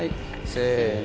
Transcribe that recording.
せの。